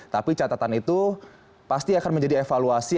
tapi catatan itu pasti akan menjadi evaluasi